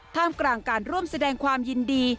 ท่ามกลางการร่วมแสดงความยินดี